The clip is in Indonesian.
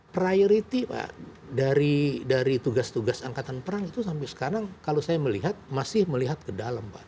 priority pak dari tugas tugas angkatan perang itu sampai sekarang kalau saya melihat masih melihat ke dalam pak